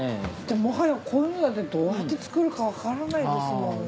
もはやこういうのってどうやって作るかわからないですもんね。